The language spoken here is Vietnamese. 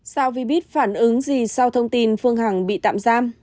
sao vì biết phản ứng gì sau thông tin phương hằng bị tạm giam